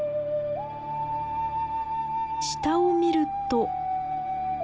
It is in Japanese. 下を見ると。